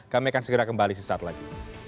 kami akan segera kembali sesaat lagi